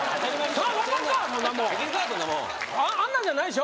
そんなもんあんなんじゃないでしょ？